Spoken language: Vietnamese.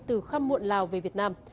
từ khăm muộn lào về việt nam